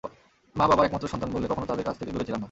মা–বাবার একমাত্র সন্তান বলে কখনো তাঁদের কাছ থেকে দূরে ছিলাম না।